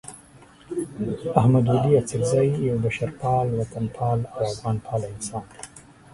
احمد ولي اڅکزی یو بشرپال، وطنپال او افغانپال انسان دی.